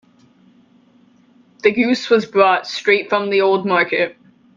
The goose was brought straight from the old market.